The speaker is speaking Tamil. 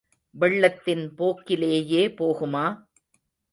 வெள்ளத்தின் போக்கிலேயே போகுமா?